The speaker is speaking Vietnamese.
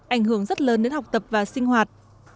ảnh hưởng rất lớn đến học tập và sinh hoạt